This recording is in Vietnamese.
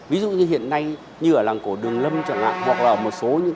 ví dụ như hiện nay như ở làng cổ đường lâm chẳng hạn